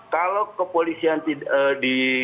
kalau kepolisian di